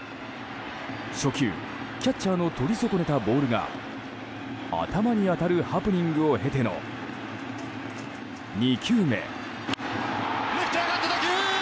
初球、キャッチャーの取り損ねたボールが頭に当たるハプニングを経ての２球目。